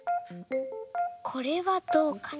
これはどうかな？